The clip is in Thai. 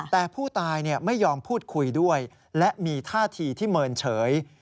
แต่ผู้ตายไม่ยอมพูดคุยด้วยและมีท่าทีที่เมินเฉย